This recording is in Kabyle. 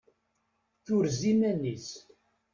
Turez iman-is.